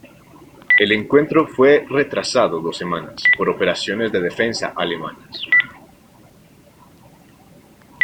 El encuentro fue retrasado dos semanas, por operaciones de defensa alemanas.